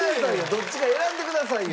どっちか選んでくださいよ。